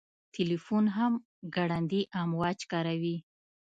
تلیفون هم ګړندي امواج کاروي.